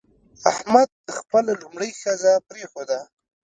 احمد خپله لومړۍ ښځه پرېښوده.